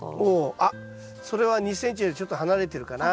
あっそれは２ｃｍよりちょっと離れてるかな。